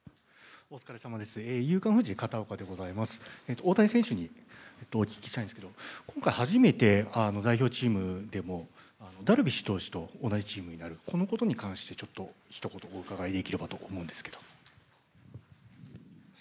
大谷選手にお聞きしたいんですが今回初めて、代表チームでもダルビッシュ投手と同じチームになることに関してひと言お伺いできればと思うんですけど。